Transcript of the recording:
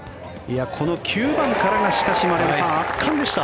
この９番からが丸山さん、圧巻でした。